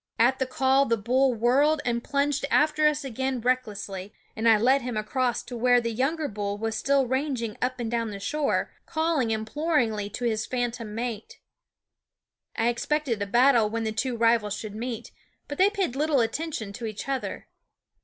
At the call the bull whirled and plunged after us again recklessly, and I led him across to where the younger bull was still ranging up and down the shore, calling imploringly to his phantom mate. I expected a battle when the two rivals should meet; but they paid little attention to each other.